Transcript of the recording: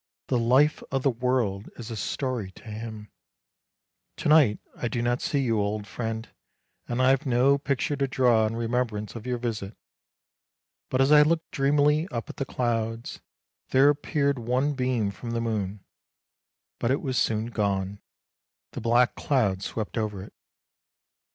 The life of the world is a story to him. To night I do not see you, old friend; and I have no picture to draw in remembrance of your visit. But as I looked dreamily up at the clouds, there appeared one beam from the moon — but it was soon gone, the black clouds swept over it.